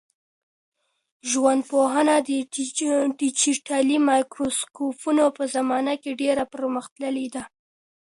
ژوندپوهنه د ډیجیټلي مایکروسکوپونو په زمانه کي ډېره پرمختللې ده.